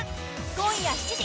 今夜７時。